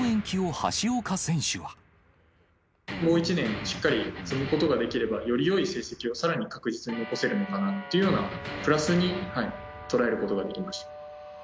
もう１年、しっかり積むことができれば、よりよい成績をさらに確実に残せるのかなっていうような、プラスに捉えることができました。